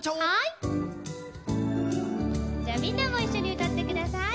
じゃあみんなもいっしょにうたってください。